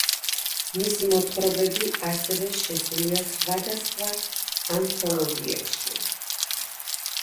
მისი მოთხრობები ასევე შესულია სხვადასხვა ანთოლოგიებში.